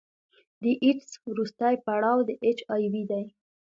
د ایډز وروستی پړاو د اچ آی وي دی.